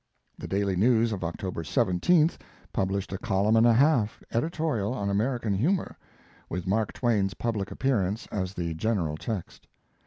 The Daily News of October 17th published a column and a half editorial on American humor, with Mark Twain's public appearance as the general text.